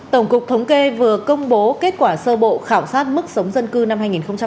tổng cục thống kê vừa công bố kết quả sơ bộ khảo sát mức sống dân cư năm hai nghìn một mươi chín